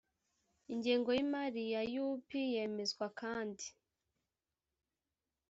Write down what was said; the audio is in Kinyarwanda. ingengo y imari ya u p yemezwa kandi